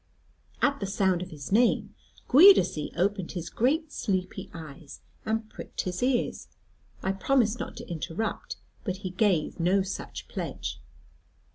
At the sound of his name, Giudice opened his great sleepy eyes, and pricked his ears: I promised not to interrupt, but he gave no such pledge.